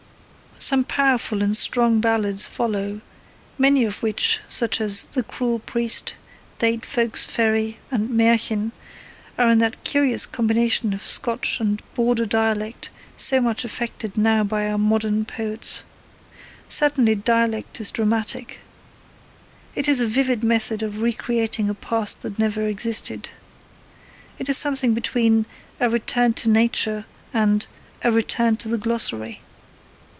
Some powerful and strong ballads follow, many of which, such as The Cruel Priest, Deid Folks' Ferry, and Marchen, are in that curious combination of Scotch and Border dialect so much affected now by our modern poets. Certainly dialect is dramatic. It is a vivid method of re creating a past that never existed. It is something between 'A Return to Nature' and 'A Return to the Glossary.'